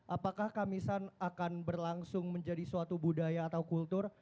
apakah kamisan akan berlangsung menjadi suatu budaya atau kultur